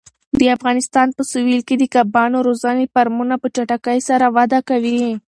د افغانستان په سویل کې د کبانو روزنې فارمونه په چټکۍ سره وده کوي.